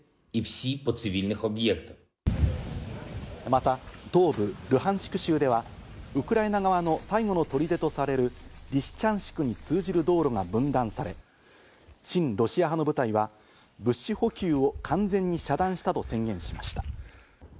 また東部ルハンシク州ではウクライナ側の最後の砦とされるリシチャンシクに通じる道路が分断され、親ロシア派の部隊は物資補給を完全に遮断したと宣言しました。